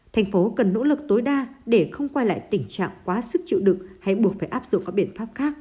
thành phố cần nỗ lực tối đa để không quay lại tình trạng quá sức chịu đựng hay buộc phải áp dụng các biện pháp khác